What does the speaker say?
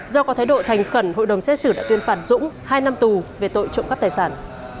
do có thái độ thành khẩn hội đồng xét xử đã tuyên phạt dũng hai năm tù về tội trộm cắp tài sản